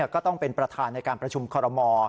ก็ต้องเป็นประธานในการประชุมคอรมอ